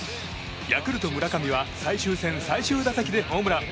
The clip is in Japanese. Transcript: ヤクルト村上は最終戦・最終打席でホームラン。